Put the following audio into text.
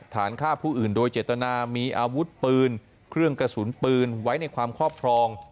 ฐานฆ่าผู้อื่นโดยเจตนามีอาวุธปืนเครื่องกระสุนปืนไว้ในความครอบครอง